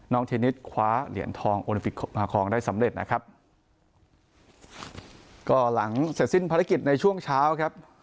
เทนิสคว้าเหรียญทองโอลิมปิกมาครองได้สำเร็จนะครับก็หลังเสร็จสิ้นภารกิจในช่วงเช้าครับ